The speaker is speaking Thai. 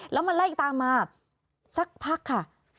แล้วมันไล่ตามมาสักพักค่ะ